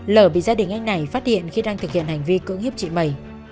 lở bị gia đình anh này phát hiện khi đang thực hiện hành vi cưỡng hiếp chị mẩy